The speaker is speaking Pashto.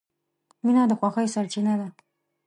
• مینه د خوښۍ سرچینه ده.